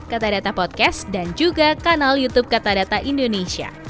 katadata podcast dan juga kanal youtube katadata indonesia